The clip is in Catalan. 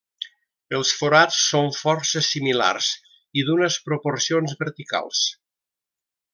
Els forats són força similars i d'unes proporcions verticals.